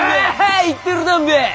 あ言ってるだんべぇ！